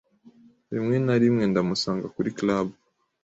Rimwe na rimwe ndamusanga kuri club.